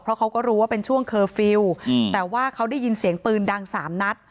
เพราะเขาก็รู้ว่าเป็นช่วงเคอร์ฟิลล์แต่ว่าเขาได้ยินเสียงปืนดังสามนัด